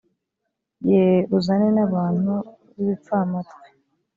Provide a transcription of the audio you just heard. ye uzane n abantu b ibipfamatwi